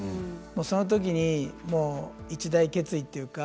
そのときに一大決意というか。